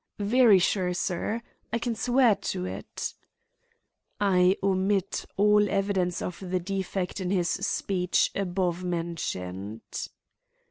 "Very sure, sir. I can swear to it." I omit all evidence of the defect in his speech above mentioned.